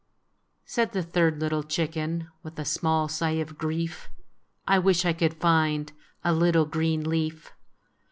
" Said the third little chicken, With a small sigh of grief, " I wish I could find A little green leaf!